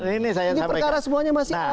ini perkara semuanya masih ada